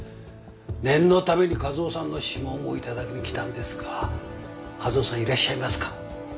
念のために和夫さんの指紋を頂きに来たんですが和夫さんいらっしゃいますか？